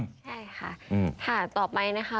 ใช่ค่ะต่อไปนะคะ